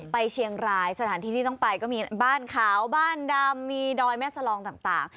ไปเชียงรายสถานที่ที่ต้องไปก็มีบ้านขาวบ้านดำมีดอยแม่สลองต่าง